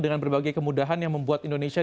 dengan berbagai kemudahan yang membuat indonesia